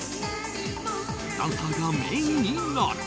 ダンサーがメインになる。